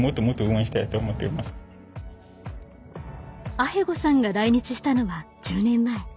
アヘゴさんが来日したのは１０年前。